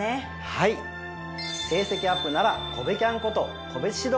はい成績アップならコベキャンこと個別指導